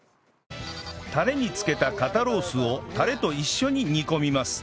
タレに漬けた肩ロースをタレと一緒に煮込みます